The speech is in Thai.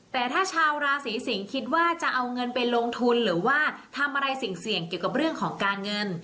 แต่ถ้าชาวราศีสิงศ์คิดว่าจะเอาเงินไปลงทุนหรือว่าทำอะไรเสี่ยงเกี่ยวกับเรื่องของการเงิน